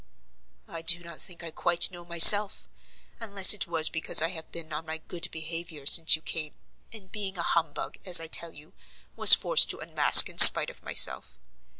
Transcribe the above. "I do not think I quite know myself, unless it was because I have been on my good behavior since you came, and, being a humbug, as I tell you, was forced to unmask in spite of myself.